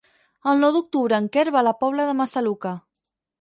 El nou d'octubre en Quer va a la Pobla de Massaluca.